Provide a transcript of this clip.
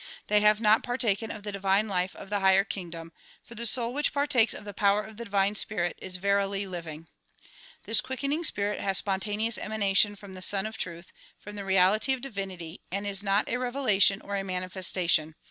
They have not par taken of the divine life of the higher kingdom ; for the soul which partakes of the power of the divine spirit is verily living. This quickening spirit has spontaneous emanation from the Sun of Truth, from the reality of divinity and is not a revelation or a manifestation.